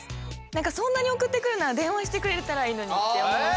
何かそんなに送ってくるなら電話してくれたらいいのにって思うし。